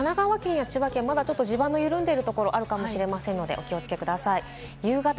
神奈川県や千葉県、まだ地盤の緩んでるところがあるかもしれませんので、お気をつけください。